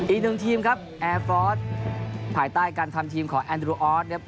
อีกหนึ่งทีมครับแอร์ฟอร์สภายใต้การทำทีมของแอนดรูออสนะครับ